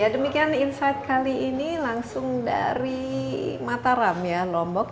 demikian insight kali ini langsung dari mataram lombok